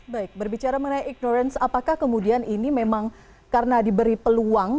baik berbicara mengenai ignorance apakah kemudian ini memang karena diberi peluang